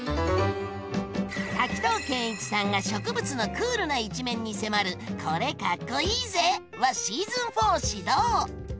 滝藤賢一さんが植物のクールな一面に迫る「これ、かっこイイぜ！」はシーズン４始動！